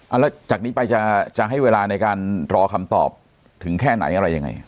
แล้วจากนี้ไปจะให้เวลาในการรอคำตอบถึงแค่ไหนอะไรยังไง